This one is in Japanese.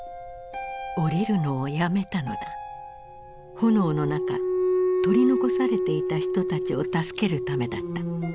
炎の中取り残されていた人たちを助けるためだった。